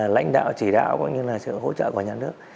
lãnh đạo chỉ đạo cũng như là sự hỗ trợ của nhà nước